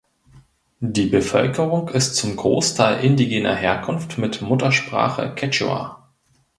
Die Bevölkerung ist zum Großteil indigener Herkunft mit Muttersprache Quechua.